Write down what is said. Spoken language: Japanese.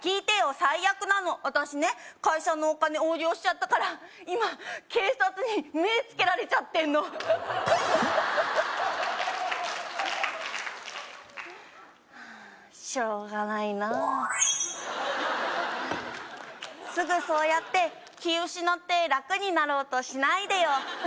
最悪なの私ね会社のお金横領しちゃったから今警察に目つけられちゃってんのしょうがないなすぐそうやって気失って楽になろうとしないでよ